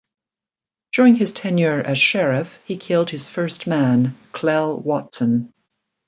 During his tenure as sheriff, he killed his first man, Clell Watson.